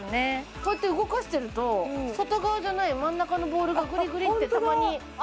こうやって動かしてると外側じゃない真ん中のボールがグリグリってたまにああ